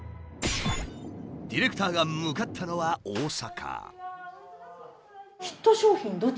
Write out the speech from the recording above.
ディレクターが向かったのは大阪。